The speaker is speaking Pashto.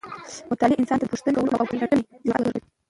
مطالعه انسان ته د پوښتنې کولو او پلټنې جرئت ورکوي.